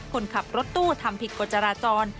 คนขับรถตู้ทำผิดกฎจราจร